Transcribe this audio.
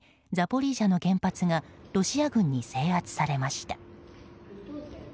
ザポリージャの原発がロシア軍に制圧されました。